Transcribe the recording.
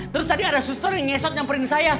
terus tadi ada suster yang ngesot nyaperin saya